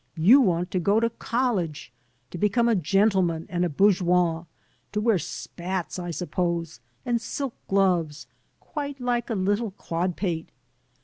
"You want to go to college, to become a gentleman and a bourgeois; to wear spats, I suppose, and silk gloves, quite like a little dodpate.